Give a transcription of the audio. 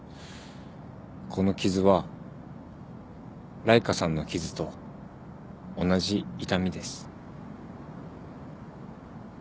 この傷はライカさんの傷と同じ痛みです。